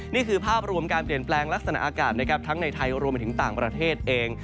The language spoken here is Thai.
นี่คือภาพรวมการเปลี่ยนแปลงลักษณะอากาศนะครับทั้งในไทยรวมไปถึงต่างประเทศเอง